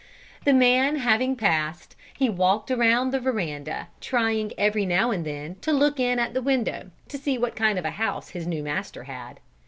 The man having passed, he walked around the veranda trying every now and then to look in at the window to see what kind of a house his new master had.